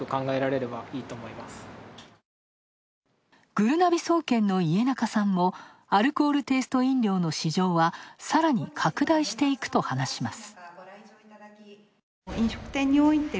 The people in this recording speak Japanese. ぐるなび総研の家中さんも、アルコールテイスト飲料の市場はさらに拡大していくと話します。